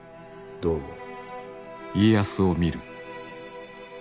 どう思う？